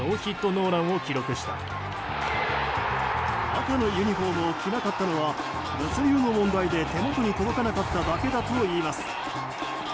赤のユニフォームを着なかったのは物流の問題で手元に届かなかっただけだといいます。